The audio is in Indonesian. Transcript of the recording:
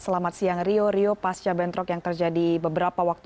selamat siang rio rio pasca bentrok yang terjadi beberapa waktu